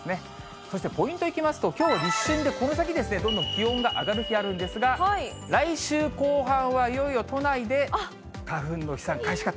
そして、ポイントいきますと、きょうは立春で、この先、どんどん気温が上がる日あるんですが、来週後半は、いよいよ都内で花粉の飛散開始かと。